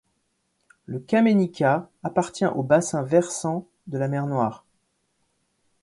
La Kamenica appartient au bassin versant de la mer Noire.